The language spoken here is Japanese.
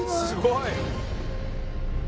すごい！